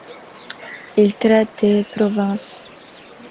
Il traite des provinces.